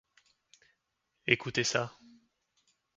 Écoutez ça.